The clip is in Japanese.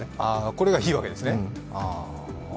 これがいいわけですね。